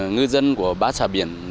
ngư dân của bãi sà biển